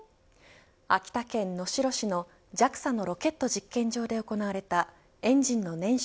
秋田県能代市のＪＡＸＡのロケット実験場で行われたエンジンの燃焼